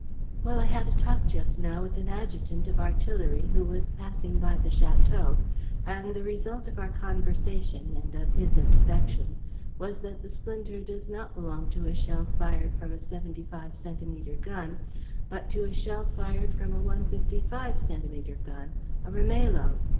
"Well, I had a talk just now with an adjutant of artillery, who was passing by the château; and the result of our conversation and of his inspection was that the splinter does not belong to a shell fired from a 75 centimeter gun, but to a shell fired from a 155 centimeter gun, a Rimailho."